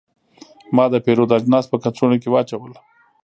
ما د پیرود اجناس په کڅوړه کې واچول.